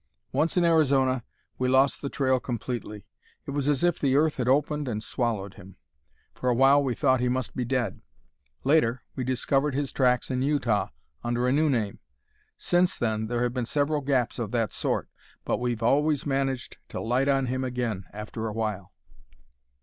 Once, in Arizona, we lost the trail completely. It was as if the earth had opened and swallowed him; for a while we thought he must be dead. Later we discovered his tracks in Utah, under a new name. Since then there have been several gaps of that sort; but we've always managed to light on him again after a while.